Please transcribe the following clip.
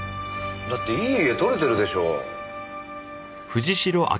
だっていい画撮れてるでしょう？